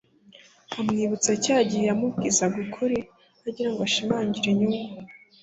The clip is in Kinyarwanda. amwibutse cya gihe yamubwizaga ukuri, agira ngo ashimangire inyungu